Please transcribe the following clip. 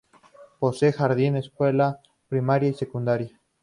Posee jardín, escuela primaria y secundaria.